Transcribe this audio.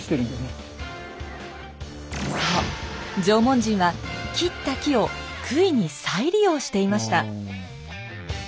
縄文人は切った木を杭に再利用していました。